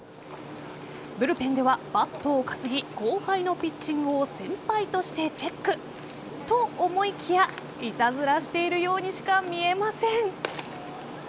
ブルペンではバットを担ぎ後輩のピッチングを先輩としてチェック。と思いきやいたずらしているようにしか見えません。